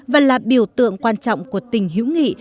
và là biểu tượng quan trọng của tình hữu nghị